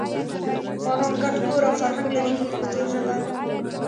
افغانان ګډ کور او فرهنګ لري په پښتو ژبه.